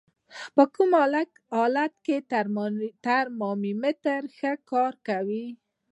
په کوم حالت کې ترمامتر ښه کار کوي؟